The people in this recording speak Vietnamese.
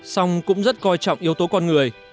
xong cũng rất coi trọng yếu tố con người